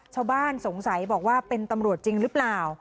ชาวบ้านสงสัยบอกว่าเป็นตำรวจจริงหรือเปล่า